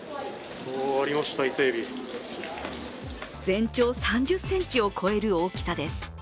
全長３０ｃｍを超える大きさです。